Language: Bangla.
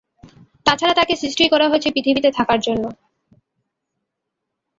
তাছাড়া তাঁকে সৃষ্টিই করা হয়েছে পৃথিবীতে থাকার জন্য।